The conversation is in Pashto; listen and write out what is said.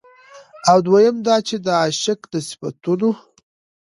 او دويم دا چې د عاشق د صفتونو